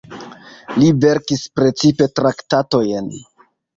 Li verkis precipe traktatojn.